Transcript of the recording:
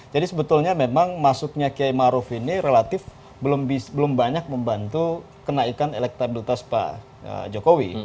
jadi sebetulnya memang masuknya kiai ma'ruf ini relatif belum banyak membantu kenaikan elektabilitas pak jokowi